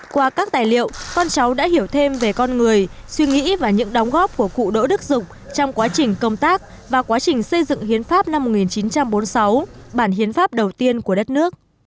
qua các tài liệu con cháu đã hiểu thêm về con người suy nghĩ và những đóng góp của cụ đỗ đức dục trong quá trình công tác và quá trình xây dựng hiến pháp năm một nghìn chín trăm bốn mươi sáu bản hiến pháp đầu tiên của đất nước